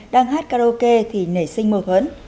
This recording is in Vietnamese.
đang hát karaoke thì nể sinh mơ hớn